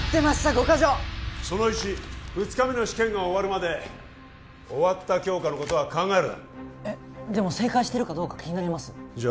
５ヵ条その１２日目の試験が終わるまで終わった教科のことは考えるなえっでも正解してるかどうか気になりますじゃ